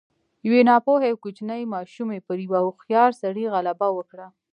يوې ناپوهې او کوچنۍ ماشومې پر يوه هوښيار سړي غلبه وکړه.